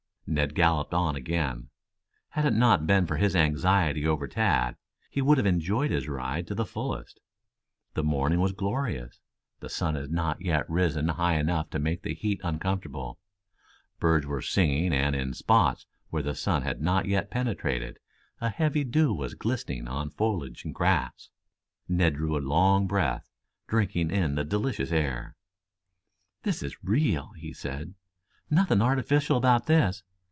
Ned galloped on again. Had it not been for his anxiety over Tad, he would have enjoyed his ride to the fullest. The morning was glorious; the sun had not yet risen high enough to make the heat uncomfortable; birds were singing and in spots where the sun had not yet penetrated a heavy dew was glistening on foliage and grass. Ned drew a long breath, drinking in the delicious air. "This is real," he said. "Nothing artificial about this.